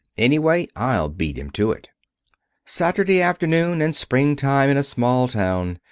Anyway, I'll beat him to it." Saturday afternoon and spring time in a small town!